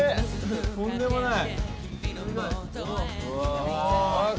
とんでもない。